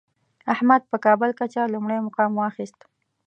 احمد په کابل کچه لومړی مقام واخیست.